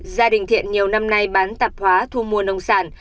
gia đình thiện nhiều năm nay bán tạp hóa thu mua nông sản